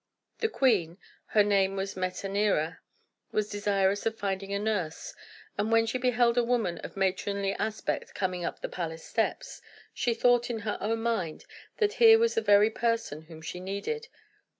The queen her name was Metanira was desirous of finding a nurse; and when she beheld a woman of matronly aspect coming up the palace steps, she thought, in her own mind, that here was the very person whom she needed.